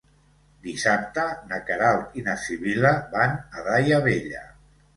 Dissabte na Queralt i na Sibil·la van a Daia Vella.